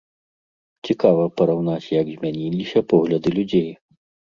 Цікава параўнаць, як змяніліся погляды людзей.